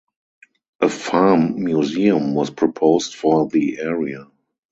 A farm museum was proposed for the area.